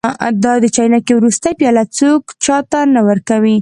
دا د چاینکې وروستۍ پیاله څوک چا ته نه ورکوي.